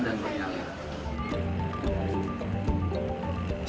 dan punya alih